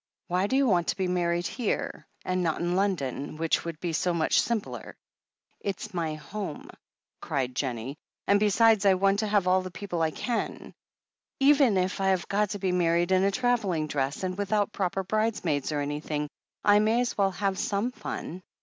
Why do you want to be married here, and not in London, which would be so much simpler?" "It's my home," cried Jennie, "and, besides, I want to have all the people I can; even if I have got to be married in a travelling dress, and without proper brides maids or anything, I may as well have so7ne fun.